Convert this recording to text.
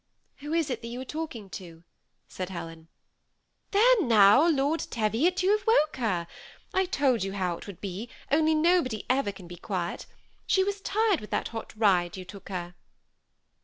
'' Who is it that you are talking to ?" said Helen. " There now. Lord Teviot, you have woke her. I told you how it would be, only nobody ever can be quiet. She was tired with that hot ride you took her."